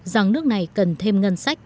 rằng nước này cần thêm ngân sách